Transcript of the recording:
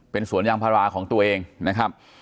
เป็นสวนยางพาราของตัวเองนะครับ